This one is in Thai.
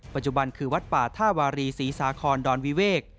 ปัจจุบันคือวัดป่าท่าวารีศรีสาคอนดอนวิเวก